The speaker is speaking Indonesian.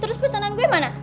terus pesanan gue mana